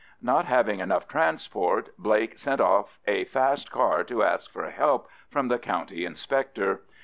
Not having enough transport, Blake sent off a fast car to ask for help from the County Inspector.